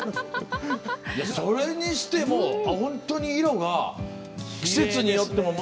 それにしても本当に色が季節によって。